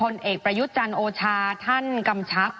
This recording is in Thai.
ไม่ได้เป็นประธานคณะกรุงตรี